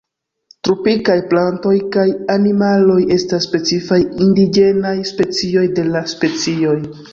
Tropikaj plantoj kaj animaloj estas specifaj indiĝenaj specioj de la specioj.